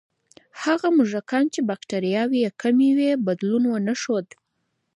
هغه موږکان چې بکتریاوې یې کمې وې، بدلون ونه ښود.